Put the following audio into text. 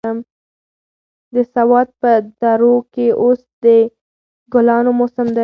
د سوات په درو کې اوس د ګلانو موسم دی.